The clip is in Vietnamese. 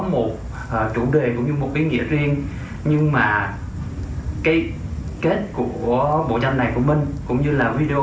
một chủ đề cũng như một ý nghĩa riêng nhưng mà kết của bộ tranh này của mình cũng như là video